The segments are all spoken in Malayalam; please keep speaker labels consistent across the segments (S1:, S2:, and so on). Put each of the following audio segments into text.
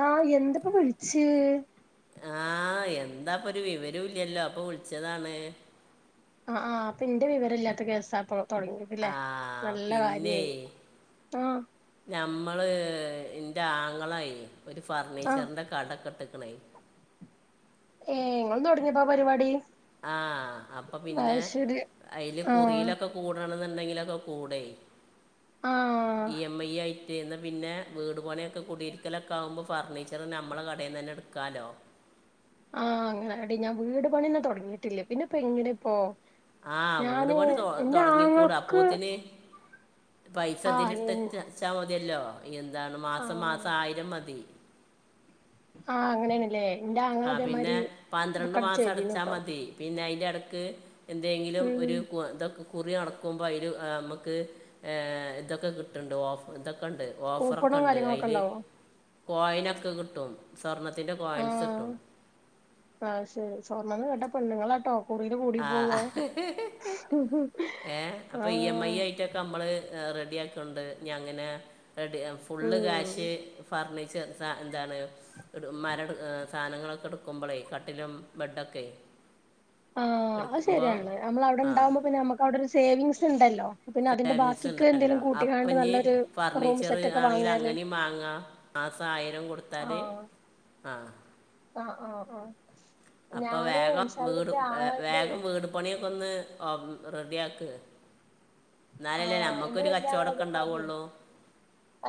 S1: ആഹ്‌ എന്തപ്പ വിളിച്
S2: ആഹ്‌ എന്താപ്പൊരു വിവരോല്ലല്ലോ അപ്പൊ വിളിച്ചതാണ്
S1: ആഹ്‌ ആഹ് അപ്പെന്റെ വിവരല്ലാത്ത കേസാപ്പോ തൊടങ്ങിയതലേ
S2: ആ
S1: നല്ല കാര്യായി ആഹ്
S2: ഞമ്മള് ഇന്റെ ആങ്ങളയ് ഒരു
S1: ആഹ്
S2: ഫർണിച്ചറിന്റെ കടക്കെട്ട്ക്കണ്
S1: ഏഹ് ങ്ങളും തുടങ്ങിയപ്പോ ആ പരിപാടി
S2: ആഹ് അപ്പൊ പിന്നെ
S1: അത് ശരി
S2: അയില്
S1: ആഹ്
S2: കുറിയിലൊക്കെ കൂടണെന്നുണ്ടെങ്കിലൊക്കെ കൂടെ
S1: ആഹ്
S2: ഇ എം ഐ ആയിട്ട് ന്ന പിന്നെ വീട്പണിയൊക്കെ കുടിരിക്കലൊക്കെ ആമ്പോ ഫർണിച്ചർ നമ്മളെ കടയിന്നന്നെ എടുക്കാലോ
S1: ആഹ് അങ്ങനൊയടി ഞാൻ വീട് പണിന്നെ തുടങ്ങിയിട്ടില്ല പിന്നെ ഇപ്പൊ ങ്ങനെ ഇപ്പോ
S2: ആഹ് വീട്
S1: ഞാന്
S2: പണി
S1: എന്റെ
S2: തുടങ്ങിക്കൂട്
S1: ആങ്ങൾക്ക്
S2: അപ്പോത്തിന് പൈസ
S1: ആഹ്
S2: ഇതിലിട്ടച്ചാ മതിയല്ലോ എന്താണ് മാസം
S1: ആഹ്
S2: മാസം ആയിരം മതി
S1: ആഹ് അങ്ങനെയാണല്ലേ എന്റെ ആങ്ങള
S2: ആഹ് പിന്നെ
S1: ഇതേമാരി
S2: പന്ത്രണ്ട്
S1: ഇതൊക്കട്
S2: മാസം അടച്ചാ
S1: ചെയ്തീനുട്ടോ
S2: മതി പിന്നെ അയിൻ്റെടയ്ക്ക് എന്തെങ്കിലും
S1: ഉം
S2: ഒരു ഇതൊക്കെ കുറി എട്ക്കുമ്പ അയില് നമുക്ക് ഏഹ് ഇതൊക്കെ കിട്ടുന്നുണ്ട് ഓഫ് ഇതൊക്കെണ്ട്
S1: കൂപ്പണും
S2: ഓഫറൊക്കെണ്ട്
S1: കാര്യങ്ങളൊക്കെ
S2: അയില്
S1: ഇണ്ടാവോ
S2: കോയിനൊക്കെ കിട്ടും സ്വർണത്തിൻ്റെ കോയിൻസ്
S1: ആഹ്
S2: കിട്ടും
S1: ആഹ് അത് ശരി സ്വർണ്ണന്ന് കേട്ട പെണ്ണുങ്ങളാട്ടോ കുറില് കൂടി
S2: ആ
S1: പോവേ ആഹ്
S2: ക്കെ നമ്മള് റെഡി ആക്കിയോണ്ട് ങ്ങനെ ഫുള്ള്
S1: ഉം
S2: ക്യാഷ് ഫർണി ച്ചർ സാ എന്താണ് മരം സാനങ്ങളൊക്കെ എടുക്കുമ്പളേ കട്ടിലും ബെഡൊക്കെയ്
S1: ആഹ് അഹ് ശരിയാണ് നമ്മൾ അവിടെ
S2: ആ
S1: ഉണ്ടാവുമ്പോ പിന്നെ നമ്മക്ക് അവിടെ ഒരു സേവിങ്സ് ഉണ്ടല്ലോ പിന്നെ അതിന്റെ
S2: സേവിങ്സ്
S1: ബാക്കിക്ക്
S2: ഉണ്ടല്ലോ
S1: എന്തേലും കൂട്ടിക്കാണ്ട്
S2: അപ്പനി
S1: നല്ലൊരു റൂം
S2: ഫർണിച്ചർ
S1: സെറ്റ് ഒക്കെ
S2: ആണെങ്കിൽ
S1: വാങ്ങിയാല്
S2: അങ്ങനെയും വാങ്ങാം മാസായിരം കൊടുത്താല്
S1: ആഹ്
S2: ആഹ്
S1: ആഹ് ആഹ് ആഹ്
S2: അപ്പൊ
S1: ഞാന്
S2: വേഗം
S1: ഇൻഷാ അള്ളാ
S2: വീട്
S1: ഇന്റെ ആങ്ങളന്റെ
S2: വേഗം വീട് പണിയൊക്കെന്ന് റെഡിയാക്ക് എന്നാലല്ലേ
S1: ആഹ് ഇന്റെ
S2: നമ്മക്കൊരു
S1: വല്യ ആങ്ങള
S2: കച്ചോടൊക്കെ
S1: ഇതേമാതിരിയെ
S2: ഉണ്ടാവുള്ളൂ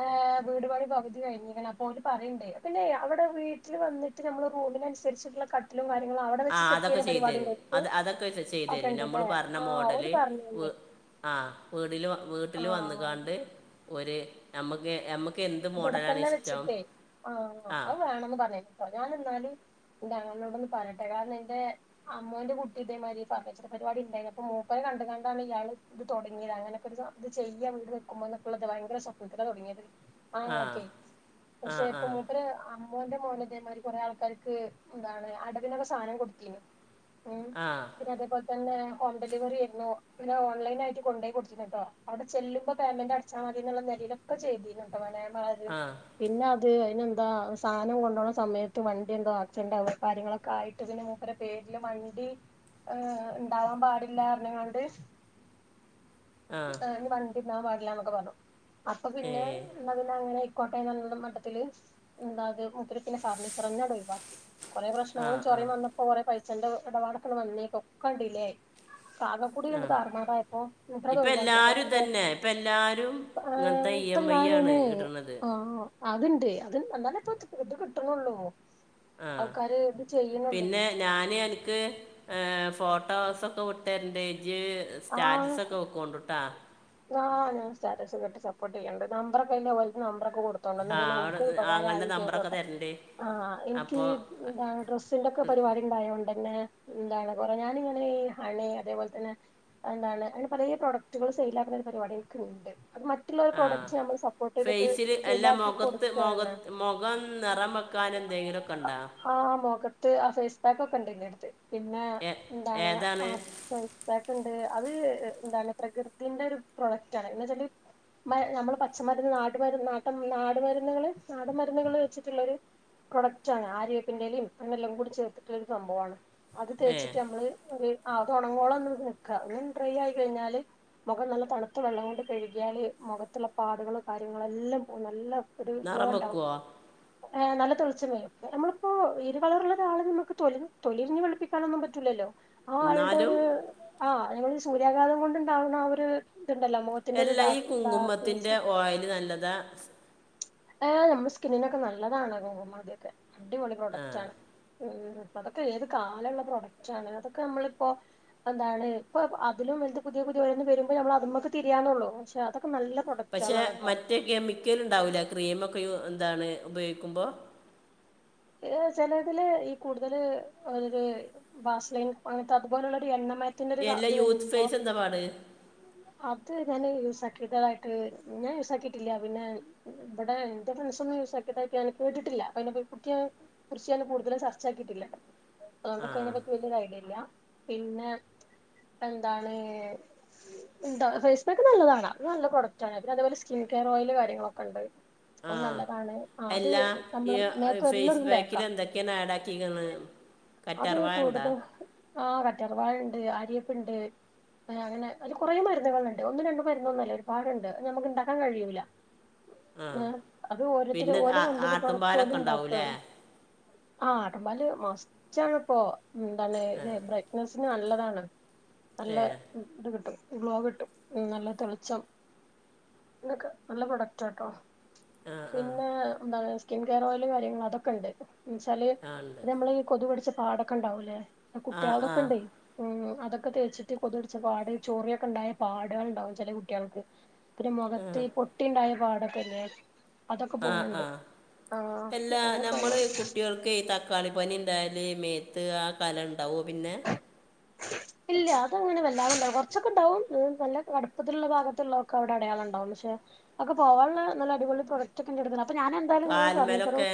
S1: ഏഹ് വീടുപാണി പകുതി കഴിഞ്ഞീക്കണ് അപ്പോ ഓല് പറയണ്ട് പിന്നെ അവിടെ വീട്ടിൽ വന്നിട്ട് ട്ട് നമ്മളെ റൂമിനനുസരിചുള്ള ക
S2: ആഹ് അതൊക്കെ ചെയ്തരും
S1: ഓൽക്ക്
S2: അത് അതൊക്കെ
S1: അതൊക്കെ
S2: ചെയ്തരും നമ്മള്
S1: ഇണ്ട്ല്ലേ
S2: പറഞ്ഞ
S1: ആഹ് ഓല്
S2: മോഡല് വീ
S1: പറഞ്ഞീനി
S2: ആഹ് വീടില് വീട്ടിൽ
S1: ആഹ്
S2: വന്ന്ങ്ങാണ്ട് ഒരു നമുക്ക് മ്മക്ക്
S1: ഇബടെത്തന്നെ വെച്ചിട്ടേ ആഹ്
S2: ആ
S1: അത് വേണന്ന് പറഞീനിട്ടോ ഞാനെന്നാല് ന്റങ്ങളനോടൊന്ന് പറട്ടെ കാരണെന്റെ അമ്മോന്റെ കുട്ടി ഇതേമാതിരി ഫർണിച്ചർ പരിപാടി ഉണ്ടായിരുന്നു അപ്പൊ മൂപ്പരെ കണ്ടുകണ്ടാണ് ഇയാള് ഇത് തുടങ്ങിയത് അങ്ങനെയൊക്കെ ഒരു സ അത് ചെയ്യാ വീട് വെക്കുമ്പോക്കള്ളത് ഭയങ്കര സ്വപ്നത്തിലാ തുടങ്ങിയത്
S2: ആ
S1: ആങ്ങളക്കെ
S2: ആ
S1: പക്ഷേ
S2: ആ
S1: പ്പൊ മൂപ്പര് ആ മോന്റെ മോന് തേമാരി കുറെ ആൾക്കാർക്ക് എന്താണ് അടവിനൊക്കെ സാനം കൊടുത്തിനു ഉം
S2: ആ
S1: പിന്ന അതേപോലെ തന്നെ ഹോം ഡെലിവറി ആയിരുന്നു പിന്നെ ഓൺ ലൈനായിട്ട് കൊണ്ടയി കൊടുത്തിരുന്നൂട്ടോ അവിടെ ചെല്ലുമ്പോ പേമെന്റ് അടച്ച് ചാവിനുള്ള നെലയിലൊക്കെ ചെയ്തിന്ട്ടോ മാനെ
S2: ആഹ്
S1: പിന്നെ അത് അയിനെന്താ സാനം കൊണ്ടോണ സമയത്ത് വണ്ടി എന്തോ ആക്‌സിഡന്റ് ആവേ കാര്യങ്ങളൊക്കെ ആയിട്ട് പിന്നെ മൂപ്പരെ പേരില് വണ്ടി ഏഹ് ഉണ്ടാവാൻ പാടില്ലാറഞ്ങ്ങാണ്ട്
S2: [inaudible] ആ
S1: ആഹ് ഇനി വണ്ടിണ്ടാവാൻ പാടില്ലാന്നൊക്കെ പറഞ്ഞു അപ്പൊ പിന്നെ
S2: ഏ
S1: എന്നാ പിന്നെ അങ്ങനെ ആയിക്കോട്ടെ എന്നുള്ള മട്ടത്തില് എന്താത് ഒത്തിരി പിന്നെ ഫർണിച്ചറന്നെ അവിടെ ഒഴിവാക്കി കൊറെ
S2: ആ
S1: പ്രശ്നങ്ങളും
S2: ആ
S1: ചൊറയും വന്ന പ്പൊ കൊറേ പൈസേന്റെ എടപാടൊക്കെ അങ്ങട് വന്നേക്കാ ഒക്കെ ഡിലെ ആയി
S2: [inaudible]
S1: ആകെ ക്കൂടി
S2: ആ
S1: രണ്ട് താറുമാറായപ്പോ ഇത്ര ഇത്
S2: ഇപ്പം
S1: ഒഴിവാക്കി അപ്പ
S2: എല്ലാവരും
S1: മോ
S2: തന്നെ ഇപ്പം എല്ലാവരും ഇങ്ങനത്തെ ഇ എം
S1: [unintelligible] [unintelligible]
S2: ഐ
S1: ആരും
S2: ആണ്
S1: എന്നേ
S2: ഇടണത്
S1: ആഹ് അത്ണ്ട് അത്ണ്ട് എന്നാലിപ്പൊ ഇത് ഇത് കിട്ടുണുള്ളൂ
S2: ആഹ്
S1: ആൾക്കാര്
S2: പിന്നെ ഞാന് എനിക്ക് ഏഹ് ഫോട്ടോസൊക്കെ വിട്ട് തരണ്ട് ഇജ്ജ്
S1: ആഹ്
S2: സ്റ്റാറ്റസ് ഒക്കെ വെക്കോണ്ട്ട്ടാ
S1: ആഹ് ഞാൻ സ്റ്റാറ്റസ് ഒക്കെ ഇട്ട് സപ്പോർട്ട് ചെയ്യണ്ട് നമ്പറൊക്കെ [unintelligible] നമ്പറൊക്കെ കൊടു [unintelligible] എന്നാ
S2: ആ
S1: പിന്നെ
S2: അവിടെ
S1: ഉപകാരം
S2: ആങ്ങളുടെ
S1: ആവേം
S2: നമ്പറൊക്കെ
S1: ചെയ്തോട്ടെ
S2: തരണ്ട്
S1: ആഹ് എനിക്ക്
S2: അപ്പോൾ
S1: എന്താണ് ഡ്രസ്സ് സ്സിന്റെക്കെ പരിപാടി ഇണ്ടായൊണ്ടന്നേ എന്താണ് കൊറേ ഞാനിങ്ങനെ ഈ ഹണി അതേ പോലെ തന്നെ അതെന്താണ് അങ്ങനെ പലേ പ്രോഡക്റ്റുകള് സെയിലാക്കുന്ന ഒരു പരിപാടി എനിക്ക്ണ്ട് അത് മ
S2: ആഹ് ഫേയ്സില് അല്ല
S1: സെയിലാക്കി
S2: മൊഖത്ത്
S1: കൊടുക്കാണ്
S2: മൊഖത് മൊഖം നെറം വെക്കാൻ എന്തെങ്കിലൊ ക്കൊണ്ടാ
S1: ആഹ് മുഖത്ത് ആ ഫേസ് പാക്ക് ഒക്കെണ്ട് എന്റെടുത്ത് പിന്നെ
S2: ഏ
S1: എന്താണ്
S2: ഏതാണ്
S1: ആ ഫേയ്സ് പാക്ക്ണ്ട് അത് എന്താണ് പ്രകൃതിന്റെ ഒരു പ്രൊഡക്റ്റ് ആണ് എന്ന് വെച്ചാല് മ നമ്മള് പച്ചമരുന്ന് നാട്ട് മരുന്ന് നാട്ട നാട് മരുന്നുകള് നാടൻ മരുന്നുകള് വെച്ചിട്ടുള്ളൊരു പ്രൊഡക്റ്റാണ് ആര്യവേപ്പിന്റെ എലേം അങ്ങനെല്ലാം കൂടി ചേർത്തിട്ടുള്ള ഒരു സംഭവാണ് അത്
S2: ഏ
S1: തേച്ചിട്ട് അമ്മള് ഒരു ആഹ് അത് ഒണങ്ങോളം ഒന്ന് നിക്ക ഒന്ന് ഡ്രൈ ആയി കഴിഞ്ഞാല് മുഖം നല്ല തണുത്ത വെള്ളം കൊണ്ട് കെഴുകിയാല് മുഖത്തുള്ള പാടുകളും കാര്യങ്ങളെല്ലാം നല്ല ഒരു ഗ്ലോ
S2: നിറം
S1: ഇണ്ടാവും
S2: വെക്കുവോ
S1: ഏഹ് നല്ല തെളിച്ചം വരും വേറെ നമ്മളിപ്പോ ഇരു കളറുള്ള ഒരാളെ നമ്മക്ക് തൊലിനു തൊലി ഉരിഞ്ഞു വെളുപ്പി ക്കാനൊന്നും പറ്റൂലല്ലോ ആ ആളുടെ
S2: ന്നാലും
S1: ഒരു ആഹ് ഞങ്ങള് സൂര്യാഘാതം കൊണ്ട്ണ്ടാവുന്ന ആ ഒരു ഇതുണ്ടല്ലോ മുഖ
S2: എല്ല ഈ കുങ്കുമ്മത്തിന്റെ ഓയില് നല്ലതാ
S1: ആഹ് നമ്മുടെ സ്കിന്നിനൊക്കെ നല്ലതാണ് കുങ്കുമാധിയൊക്കെ അടിപൊളി
S2: ആ
S1: പ്രോഡക്റ്റ് ആണ് ഉം അതൊക്കെ ഏത് കാലള്ള പ്രൊഡക്റ്റാണ് അതൊക്കെ നമ്മളിപ്പൊ അതാണ് ഇപ്പൊ അതിലും വലുത് പുതിയ പുതിയ ഓരോന്ന് വരുമ്പോ നമ്മള് അതുമ്മേക്ക് തിരിയാന്നേ ഉള്ളു പക്ഷെ അതൊക്കെ നല്ല
S2: പക്ഷെ
S1: പ്രൊഡക്റ്റുകളാണ് ട്ടോ
S2: മറ്റ് കെമിക്കല്ണ്ടാവൂല ക്രീമൊക്കെ യൂ എന്താണ് ഉപയോഗിക്കുമ്പോ
S1: ഏഹ് ചെലതില് ഈ കൂടുതല് ഒര് വാസ്ലൈൻ അങ്ങനത്തെ അതു പോലുള്ള ഒരു എണ്ണമയ
S2: എല്ലാ യൂത്ത് ഫേസ് എന്താ പാട്
S1: അത് ഞാന് യൂസ് ആക്കിയതായിട്ട് ഞാൻ യൂസ് ആക്കിയിട്ടില്ല പിന്നെ ഇവിടെ എന്റെ ഫ്രണ്ട്സൊന്നും യൂസാക്കിതായിട്ട് ഞാന് കേട്ടിട്ടില്ല അപ്പൊ അയിനെ പ [unintelligible] കുറിച്ച് ഞാൻ കൂടുതല് ചർച്ച ആക്കിയിട്ടില്ല
S2: ആ
S1: അതൊണ്ടെക്കെ അതിനെ പറ്റി വല്യോരു ഐഡിയ ഇല്ലാ പിന്നെ എന്താണ് എന്താ ഫേയ്സ്പാക്ക് നല്ലതാണ് അത് നല്ല പ്രോഡക്റ്റാണ് പിന്നെ അതെ പോലെ സ്കിൻ കെയർ ഓയില് കാര്യങ്ങളൊക്കെ ണ്ട്
S2: ആ
S1: അത് നല്ലതാണ് ആഹ് അത് നമ്മള് മേത്ത്
S2: ഫേയ്സ്
S1: എല്ലായിടത്തും തേക്ക
S2: പാക്കില് എന്തൊക്കെയാണ് ആഡ് ആക്കിയേക്കണ്
S1: അത്
S2: കറ്റാർവാഴ ഇണ്ടാ
S1: കൂടുതൽ ആഹ് കറ്റാർവാഴ ഇണ്ട് അര്യവേപ്പ്ണ്ട് ഏഹ് അങ്ങനെ അയില് കൊറെ മരുന്നുകള്ണ്ട് ഒന്നും രണ്ട് മരുന്നൊന്നുമല്ല ഒരുപാടുണ്ട് അത് നമ്മക്ക്ണ്ടാക്കാൻ കഴിയൂല
S2: ആ
S1: ആഹ് അത് ഓരോരുത്തര്
S2: പിന്നെ
S1: ഓല
S2: ആ-
S1: കമ്പനി പ്രോഡ
S2: ആട്ടുംപാലൊക്കെ
S1: ണ്ട
S2: ഉണ്ടാവൂലേ ആ
S1: ആ ആടമ്പാല് മസ്റ്റാണ് ഇപ്പോൊ എന്താണ് ഇ്ര ഫയിസിന് നല്ലതാണ് നല്ല
S2: ഏ
S1: ഇത് കിട്ടും ഗ്ലോ കിട്ടും നല്ല തുെളിച്ചം എന്തൊക്കെ നല്ല പ്രൊഡക്റ്റ്ാട്ടോ
S2: ആ ആ
S1: പിന്നെ എന്താണ് സ്കിൻ കെയർ ഓയില് കാര്യങ്ങൾ അതൊക്കെ ഉണ്ട് എന്നെച്ചാല്
S2: ആ ഉണ്ട്
S1: അ നമ്മള കൊതു കഠിച്ച പാടൊക്കെ ഉണ്ടാവൂല്ലേ അ
S2: ആ ആ
S1: കുട്ടികളൊക്കെ ഉണ്ടേ ഉം അതൊക്കെ തേച്ചിട്ട് കൊതിടിച്ച പാട് ചോറിയൊക്കെ ഉണ്ടായ പാടേ ള് ഉണ്ടാാവും ചില കുട്ടികൾക്ക് പിന്നെ
S2: ആ
S1: മുഖത്ത് പൊട്ടിയണ്ടായ പാടൊക്കെല്ലെ അതൊക്കെ പോുന്നുണ്ട്
S2: എല്ലാ നമ്മള് കുട്ടികൾക്ക് ക്കെ തക്കാളി പനി ഉണ്ടായല് മേത്ത് ആ കല ഉണ്ടാവോ പിന്നെ
S1: ഇല്ല അത അങ്ങനെ വല്ലാതണ്ടാവും കുറച്ചൊക്കെ ഉണ്ടാവും നല്ല കടുപ്പത്തിലുള്ള ഭാഗത്തുള്ളൊക്കെ അവിടെ അടയാളം ഉണ്ടാവും പക്ഷെ ഒക്കെ പോകാനുള്ള നല്ല അടിപൊളി പ്രൊഡക്റ്റ് ഒക്കെ ഉണ്ട എടു അപ്പൊ ഞാ എന്തായാലും നി പറഞ്ഞ ചോറു
S2: കാൽമേലൊക്കെ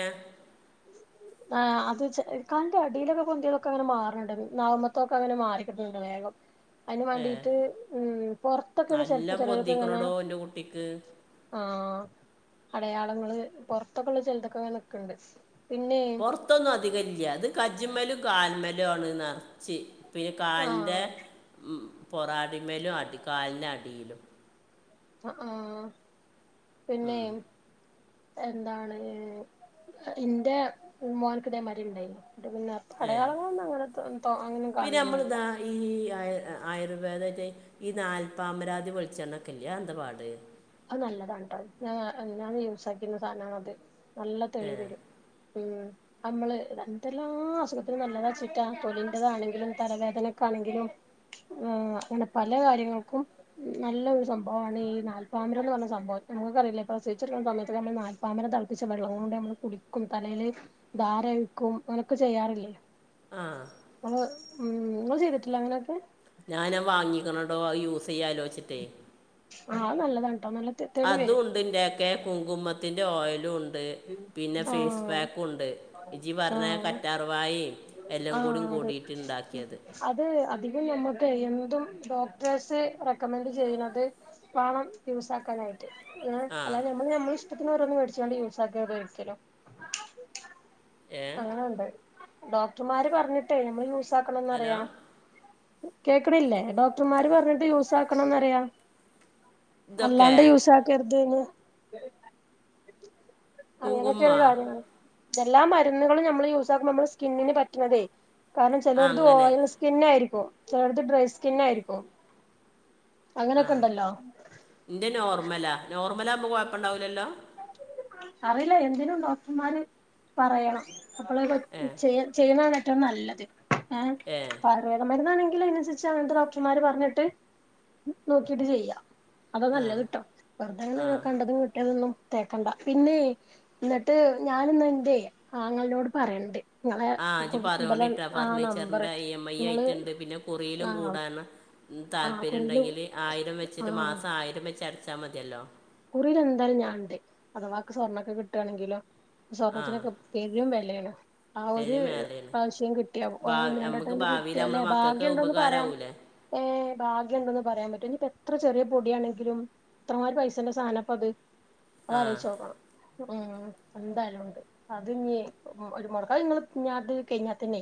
S1: ആ അത് കാൽന്റെ അടിയിലൊക്കെ പൊന്തി യാതെക്കെ അങ്ങനെ മാറുന്നുണ്ട് നാവുമത്തെ അങ്ങനെ മാറിക്കിട്ടുണ്ട് വേഗം അതിന്
S2: ഏ
S1: വേണ്ടിട്ട് ഉ പുൊറത്തൊക്കെയാണ്
S2: നല്ല
S1: ചിലപ്പോ ചിലൾക്ക് ഇങ്ങനെ
S2: പൊന്തിക്കണടോ എൻ്റെ കുട്ടിക്ക്
S1: ആഹ അടയാളങ്ങള് പുൊറത്തൊക്കെ ഉള്ള ചെിലുതൊക്കെൊക്കെുണ്ട് പിന്നെ
S2: മത്തൊന്നും അധികം ഇല്ല അത് കജി്മലും കാൽമലും ആണ് നറച്ചി പിന്നെ
S1: ആ
S2: കാലിൻ്റെ പൊറാടിമയിലും അടി കാലിറെ അടിയിലും
S1: ആഹ പിന്നെ എന്താണ് എന്റെ പൂമോനക്കിതേ മതിരി ഉണ്ടായി നി എന്നിട്ട്പിന്നെ
S2: ഏ
S1: പടയാളങ്ങളൾൊന്നും അങ്ങനെ അങ്ങനെ ഒന്നും
S2: പിന്നെ
S1: കാണൊന്നില്ല
S2: നമ്മളിതാ ഈ ആ ആയുർവേദ ഈ നാൽപ്പാമരാതി വെളിച്ചെണ്ണൊക്കെല്ലേ അത് എന്ത പാട്
S1: അത് നല്ലതാട്ടോ ഞ ഞാന്ന് യൂസ ആാക്കുന്ന സാധനങ്ങ അത് നല്ല
S2: ഏ
S1: തെളി വരും ഉം നമ്മള് എന്തെല്ലാം അസുഖത്തിന് നല്ലതാ ചുറ്റാ തൊലിറതാണെങ്കിലും തലവേദനക്കൊണെങ്കിലും ആ അങ്ങനെ പല കാര്യങ്ങൾക്കും നല്ല ഒരു സംഭവാണ് ഈ നാല്പ്പ പാമ്പരന്ന് പറഞ്ഞ സംഭവം നമുക്കറിയില്ല പ്രസവിച്ച് കിടക്കുന്നസമയത്ത് നമ്മ നാൽപ്പാമര തളപ്പ്പിച്ചവെള്ളം കൊണ്ട് നമ്മ കുളിക്കും തലയില് ധാാരഴിക്കും അങ്ങനൊക്കെ ചെയ്യാറില്ലേ
S2: ആഹ
S1: ഉ ഒ ങ്ങള്ചെയ്തിട്ടില്ലെ അങ്ങനെയ ക്കെ
S2: ഞൻാ വാങ്ങിക്കണ ടോ അത് യൂസ് ചെയ്യാ ആലോചിച്ചിട്ടേ
S1: ആഹ് നല്ലതാ കേട്ടോ നല്ല തെളി
S2: അതും
S1: വരും
S2: ഉണ്ട്ന്റെയൊക്കെ കുങ്കുമത്തിന്റെ ഓയിലും ഉണ്ട് ണ്ട് പിന്നെ ഫേസ്
S1: ആഹ്
S2: പാക്ക് ഉണ്ട് ജി പറഞ്ഞ
S1: ആഹ്
S2: കറ്റാറവായി എല്ലാം കൂട
S1: ആഹ് അതെ
S2: കൂടിട്ട്ുണ്ടാക്കിയത്
S1: അത് അധികം നമ്മുക്ക് എന്തും ഡോക്ടേഴ്സ് റെക്കമെന്ഡറ് ചെയ്യുന്നത് പണം യൂസ ആാക്കാനായി
S2: ആ
S1: അല്ലതെ നമ്മ നമ്മള ഇഷ്ടത്തിന്ോരോന്നന്ന് മേടിച്ചുകൊണ്ട് യൂസ് ആാക്കതോരിക്കലോ
S2: ഏ
S1: അങ്ങനെുണ്ട് ഡോക്ടർമാര് പറഞ്ഞിട്ടേ നമ്മള് യൂസ
S2: ഹലോ
S1: ആാക്കണംന്ന്റിയാം കേക്കണില്ലേ ഡോക്ടർമാര് പറഞ്ഞിട്ട് യൂസ ആാക്കണംന്ന്റിയ
S2: ഇതൊക്കെ
S1: അല്ലാണ്ട് യൂസ ആക്കരുതന്ന്
S2: കുങ്കുമ
S1: അങ്ങനെയൊക്കെയാണ്
S2: ആ
S1: കാര്യങ്ങത എല്ലാ മരുന്നുകളും നമ്മള് യൂസ ആാക്കുമ്പോൾ നമ്മ സ്കിന്നിന് പറ്റണതേ കാരണം ചിലടത്
S2: അങ്ങനെ
S1: ഓയിൽ സ്കിന്ന ആയിരിക്കോ ചിലടത് ഡ്രൈ സ്കിന്ന ആയിരിക്കും അങ്ങനെയൊക്കെണ്ടല്ലോ
S2: ഇന്റെ നോർമലാ നോർമലാകുമ്പോ കൊയപ്പണ്ടാവുലല്ലോ
S1: അറിയില എന്തിനും ഡോക്ടർമാര് പറയണം അപ്പോൾ
S2: ഏ
S1: ചെയ് ചെയ്യുന്നാണ് ഏറ്റോം നല്ലത് ഏ പറ വേറെ മരുന്നാണെങ്കിൽ അയിന് അനുസരിച്ച് അങ്ങൻതെ ഡോക്ടർമാർ പറഞ്ഞിട്ട് നോക്കിട്ട് ചെയ്യാം അത
S2: ആ
S1: നല്ലത് ട്ടോ
S2: ആ
S1: വെറുതെങ്ങനെ കണ്ടതും കിട്ടീതൊന്നും തേക്കണ്ട പിന്നെ ന്നെട്ട് ഞാനിന്നെന്റെ ആങ്ങൾനോട് പറയണ്ട് നിങ്ങളെ
S2: ആഹ് ഇജ്
S1: ഇബലെ
S2: പറയോണ്ടിട്ടാ
S1: ആ നമ്പറ്
S2: ഫർണിച്ചറിന്റെ ഇ എം
S1: നിങ്ങള്
S2: ഐയായിട്ട് ഇണ്ട് പിന്നെ കുറിയിലും
S1: ആ
S2: കൂടാന്ന്
S1: ആ
S2: താല്പര്യം
S1: കുറിയില്
S2: ഇണ്ടെങ്കിൽ ആയിരം വെച്ചിട്ട്
S1: ആഹ്
S2: മാസം ആയിരം വെച്ച് അടച്ചാ മതിയല്ലോ
S1: കുറിൽ എന്താലും ഞാൻ ഇണ്ട് അഥവാക്ക് സ്വർണ്ണൊക്കെ കിട്ടാണെങ്കിലോ
S2: ആ
S1: സ്വർണത്തിനൊക്കെ പെരും വെലേണ് ആ ഒരു
S2: പേര് മേലെയാണ്
S1: പാവശ്യം കിട്ടിയ
S2: ഭാവി
S1: ഒന്ന്
S2: നമുക്ക്
S1: രണ്ടെട്ടംണ്ട്
S2: ഭാവിയിൽ
S1: കിട്ടിയല്ലെ
S2: നമ്മളെ മക്കൾക്ക്
S1: ഭാഗ്യണ്ടോന്ന് പറയാം
S2: ഉപകാരമാവൂലേ
S1: ഏഹ ഭാഗ്യണ്ടന്ന് പറയാൻ പറ്റോ ഇനിപ്പ എത്ര ചെറിയ പൊടിയാണെങ്കിലും ഇത്രമാതി പൈസ അച്ഛന്റെ സാനപ്പത്
S2: ആ
S1: അതലോയ്ച്ച് നോക്കണം ഉം എന്തായാലും ഉണ്ട് അത് ഞ്‌ ഒരു [unintelligible] കഴിഞ്ഞാത്തന്നെ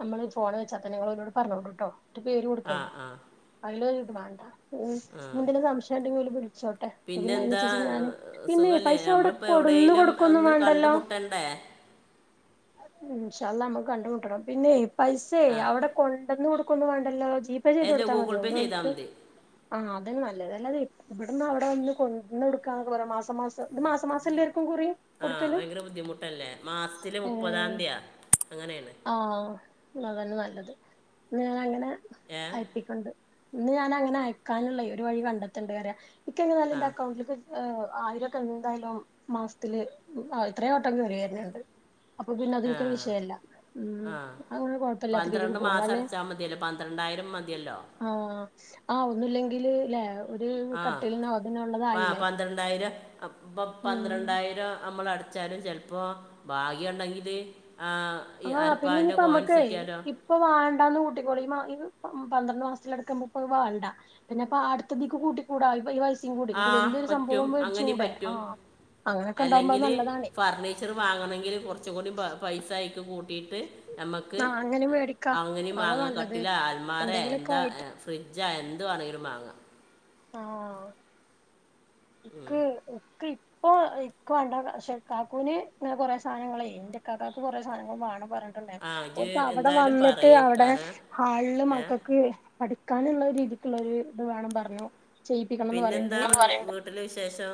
S1: നമ്മൾ ഫോൺചോയ്ച്ചാത്തന്നെ ഞങ്ങളോ ലോട് പറഞ്ഞോണ്ടുട്ടോ പേര്
S2: ആ
S1: കൊടുത്തോണ്ടു
S2: ആ
S1: അയിൽ ത് മാണ്ട ഉം
S2: ആ
S1: നിന്തെങ്കിലും സംശയം ണ്ടെങ്കിൽ ഓൽ വിളിച്ചോട്ടെ അപ്പ പിന്നെ
S2: പിന്നെന്താ
S1: അതിനനുസരിച്ച് ഞാന്,
S2: ഏഹ്,
S1: പിന്നെ
S2: സുഖല്ലേ
S1: പൈസ അവിടെ
S2: നമ്മളിപ്പോൾ
S1: കൊടുന്നു
S2: എവിടെയെങ്കിലും
S1: കൊടുക്കൊന്നും
S2: ഒന്ന്
S1: വേണ്ടല്ലോ
S2: കണ്ടുമുട്ടണ്ടേ
S1: ഇൻശാഅള്ളാ മ്മക്ക് കണ്ടുമുട്ടണം പിന്നെ പൈസെ
S2: ആ
S1: അവിടെ കൊണ്ടന്ന് കൊടു ക്കൊന്നും വേണ്ടല്ലോ ജീ പേ ചെയ്ത്
S2: അല്ല
S1: കൊടുത്താ
S2: ഗൂഗിൾ
S1: മതിയാവു
S2: പേ
S1: ന്നാ
S2: ചെയ്താൽ
S1: ല്ലോൽക്ക്
S2: മതി
S1: ആഹ് അതെന്നെ നല്ലത് അല്ലാതെ ഇവിടന്ന് അവിടെ വന്ന് കണ്ടർന്നത് എവടക്ക് പറയ് മാസമാസം ഇത് മാസ മാസം എല്ലേർക്കും കുറി
S2: ആഹ്
S1: കൊടുക്കല്
S2: ഭയങ്കര ബുദ്ധിമുട്ടല്ലേ മാസ്ത്തില്
S1: ഏഹ്
S2: മുപ്പതാന്തിയാ അങ്ങനേണ്
S1: ആഹ് അതന്നെ നല്ലത് ന്ന ഞാൻ അങ്ങനെ
S2: ഏ
S1: അയപ്പിക്കണ്ട് ഇന്ന് ഞാന അങ്ങനെ അയക്കാനുള്ളേ ഒരു വഴി കണ്ടത്തണ്ട് ക്ക് ങ്ങനായാലും
S2: ആ
S1: ൻ്റെ ണ്ട്ക്ക് അ് ആയിരൊക്കെ ന്തായാലും മാസ്ത്തില് എത്രയോ വട്ടം കേറിവര്ണണ്ട് അപ്പൊ പിന്നെ
S2: ആ
S1: അതിൻക്കൊരു വിഷയല്ല ഉം അങ്ങനെ കുഴപ്പല്ലാത്ത രീതിക്ക് പോ
S2: മാസടച്ചാ മതിയല്ലോ പന്ത്രണ്ടായിരം മതിയല്ലോ
S1: ആഹ് ആഹ് ഒന്നുല്ലെങ്കിൽ ലേ ഒരു കട്ടിൽനോ തിനോ
S2: ആ പന്ത്രണ്ടായിരം ഇപ്പ
S1: ഉം
S2: പന്ത്രണ്ടായിരം നമ്മളട് ച്ചാലും ചെൽപ്പോ ഭാഗ്യണ്ടെങ്കില് ആ
S1: ആഹ് പിന്നെ ഞിപ്പോ മ്മക്കെ ഇ ഇപ്പൊ വാണ്ടാന്ന് കൂട്ടിക്കോളി ഇ മാ പന്ത്രണ്ട് മാസ്ത്തിൽ എടുക്കുമ്പോ മുപ്പ വാണ്ട പിന്നെപ്പോ അട്ത്തതീക്ക് കൂട്ടി കൂടാ ഈ പൈസ കൂടി
S2: ആ
S1: വല്ല്യോരു
S2: പറ്റും
S1: സംഭവം
S2: അങ്ങനെയും
S1: വേട്ച്ചൂടെ
S2: പറ്റും
S1: അങ്ങനൊക്കെണ്ടാകുമ്പോ അഅ് നല്ലതാണേ
S2: ച്ചത് വാങ്ങണെങ്കിൽ കുറച്ച കൂടി പൈസ അയിക്ക് കൂട്ടിട്ട് ഞമ്മക്ക്
S1: ആഹ് അങ്ങനെ മേടിക്കാ
S2: അങ്ങനിം
S1: അതാ
S2: മാങ്ങാ
S1: നല്ലത്
S2: കട്ടിലോ അൽമാരെ
S1: എന്തെങ്കിലൊക്കെ
S2: എന്താ
S1: ആയിട്ട്
S2: ഫ്രിഡ്ജ എന്ത് വേണെങ്കിലും മാങ്ങ
S1: ആഹ ക്ക് ക്ക് ഇപ്പൊ ഇക്ക് വാണ്ടാ ക്ഷെ ക്കാക്കുന് കൊറേ സാനങ്ങളെ ൻ്റെ ക്കാകാക്ക് കുറെ സാനങ്ങൾ വാണം പറഞ്ഞ
S2: ആ ഇത്
S1: ഓർക്ക് അവടെ
S2: എന്തായാലും
S1: വന്നിട്ട്
S2: പറയേ
S1: അവടെ
S2: കാരണം
S1: ഹാളില്
S2: ഏ
S1: മക്കക്ക് പഠി ക്കാനുള്ള രീതിക്കുള്ളൊരു ത് വേണം പറഞ്ഞു ചെയ്യിപ്പിക്കണംന്ന് പറയണ്ട്
S2: പിന്നെന്താ വീട്ടില് വിശേഷം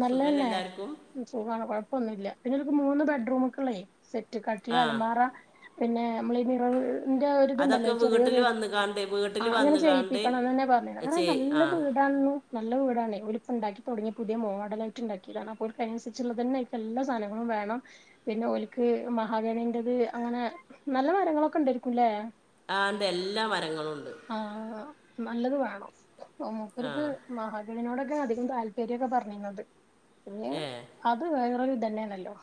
S1: നല്ല
S2: സുഖമല്ല
S1: ന്നെ
S2: എല്ലാവർക്കും
S1: സുഖാണ് കൊഴപ്പൊന്നുല്ല പിന്നോൽക്ക് മൂന്ന് ബെഡ്റൂമ്ക്ക്ള്ളേ സെറ്റ് കട്ടിൽ
S2: ആ
S1: അലമാറ, പിന്നെ മ്മള് ഈ മിറർന്റെ ഒരിതുണ്ടല്ലോ ചെറിയൊരു
S2: ആണ്ടേ വീട്
S1: ആഹ് അങ്ങന ചെയ്യിപ്പിക്കണം അന്നെന്നെ പറഞ്ഞ അങ്ങനെ
S2: ആ
S1: നല്ല വീടാണ് നല്ല വീടാണേ ഓൽ പ്പണ്ടാക്കി തുടങ്ങിയ പു തിയ മോഡൽ ആയിട്ട് ണ്ടാക്കിതാണ് അപ്പോൽക്കയിനൻസരിച്ള്ള തന്നെ അയ്ൽക്ക് എല്ലാ സാധനങ്ങളും വേണം പിന്നെ ഓൽക്ക് മഹാഗണിൻ്റെത് അങ്ങനെ നല്ല മരങ്ങളൊക്കെ ണ്ടയിര്ക്കും ല്ലേ
S2: ആതേ എല്ലാ മരങ്ങളൂണ്ട്
S1: ആഹ് നല്ലത് വേണം.
S2: ആ
S1: മൂപ്പർക്ക് മഹാഗണിനോടൊക്കെ അധികം താല്പര്യക്കെ പറഞ്ഞ റഞ്ഞത് പിന്നെ
S2: ഏ
S1: അത് വേറൊരു ഇതന്നെ ആണല്ലോ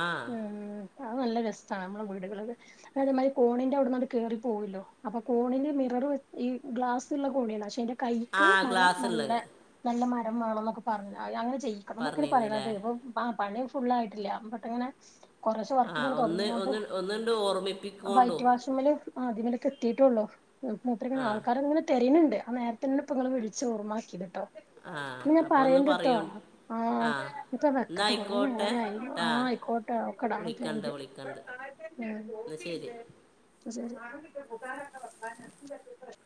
S2: ആ
S1: ഉം അഹ് നല്ല രസാണ് നമ്മളെ വീടുകളില് അതേ മാതിരി കോണിന്റെ അവ്ട്ന്നങ്ങട് കേറി പോവുല്ലോ അപ്പോ കോണിന്റെ മിറർ ഈ ഗ്ലാസ് ള്ള കോണിയാണ് പക്ഷേ അയ്ൻ്റെ
S2: ആ
S1: കൈക്ക് മരം
S2: ഗ്ലാസ്
S1: നല്ല
S2: ഉള്ളത്
S1: നല്ല മരം വേണം ന്നൊക്കെ പറഞ് അങ്ങനെ ചെയ്യ് വെക്കണം എന്നൊക്കെ ആണ്
S2: പറഞ്ഞിരുന്നില്ലേ
S1: പറിണത് പ്പൊ ആ പണി ഫുള്ളായിട്ടില്ല പെട്ടങ്ങനെ കൊറേശ്ശെ
S2: ആ
S1: വർക്ക് ങ്ങനെ
S2: ഒന്ന്
S1: തൊട്ങ്ങ്യോണ്ട്
S2: ഒന്ന് ഒന്നുണ്ട് ഓർമ്മിപ്പിക്കൊണ്ടു
S1: വൈറ്റ് വാഷ്മ്മല് അതിൻ മലക്ക് എത്തിട്ടുള്ളൂ മൂപ്പരങ്ങനെ
S2: ആ
S1: ആൾക്കാരെ ങ്ങനെ തെരിണ് ണ്ട് ആ നേര ഇന്നിപ്പങ്ങള് വിളിച്ച് ഓർമ്മ ആക്കിത്ട്ടോ
S2: ആഹ് അപ്പോന്ന് പറയോ ആ
S1: ഇപ്പ
S2: ന്ന
S1: വെക്കട്ടെ കൊറേ
S2: അയിക്കോട്ടെ
S1: നേരായി ആ
S2: ട്ടാ
S1: ആയിക്കോട്ടെ
S2: വിളിക്കണ്ട് വിളിക്കണ്ട് എന്നാൽ ശരി
S1: ഉം പ്പ ശരി